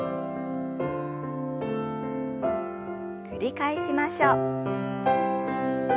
繰り返しましょう。